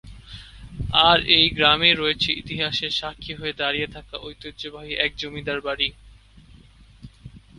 আর এই গ্রামেই রয়েছে ইতিহাসের সাক্ষী হয়ে দাড়িয়ে থাকা ঐতিহ্যবাহী এক জমিদার বাড়ি।